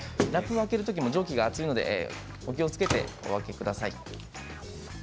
ラップを取るときも蒸気が熱いのでお気をつけてお開けください。